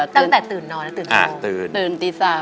ตั้งแต่ตื่นนอนแล้วตื่นครอบครัว